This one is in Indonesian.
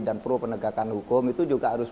dan pro penegakan hukum itu juga harus